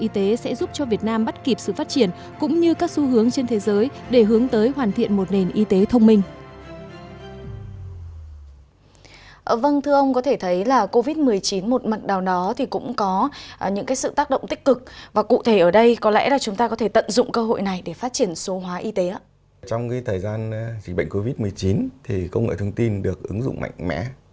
trong thời gian dịch bệnh covid một mươi chín công nghệ thông tin được ứng dụng mạnh mẽ